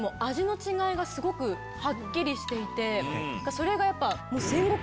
それがやっぱ。